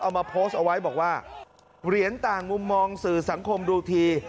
เอามาโพสต์เอาไว้บอกว่าเหรียญต่างมุมมองสื่อสังคมดูที